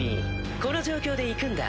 この状況で行くんだ。